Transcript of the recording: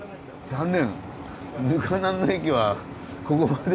残念。